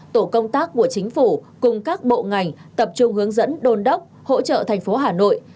tổ công tác của chính phủ cùng các bộ ngành tập trung hướng dẫn đôn đốc hỗ trợ thành phố hà nội